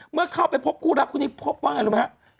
เมื่อเข้าไปพบคู่รักคู่นี้พบว่าไงรู้ไหมครับ